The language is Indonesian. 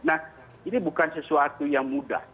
nah ini bukan sesuatu yang mudah